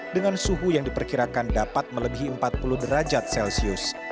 dengan suhu yang diperkirakan dapat melebihi empat puluh derajat celcius